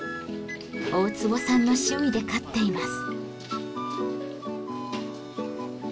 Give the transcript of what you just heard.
大坪さんの趣味で飼っています。